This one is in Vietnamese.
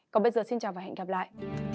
còn bây giờ hẹn gặp lại